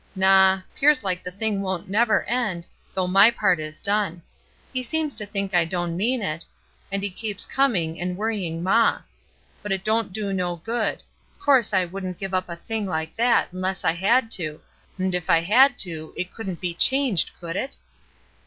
"Naw; 'pears like the thing won't never end, though my part is done. He seems to think I don' mean it, and he keeps coming, an' worry ing maw. But it don't do no good; 'course I wouldn't give up a thing like that 'nless I had to; 'nd if I had to, it couldn't be changed, could it?"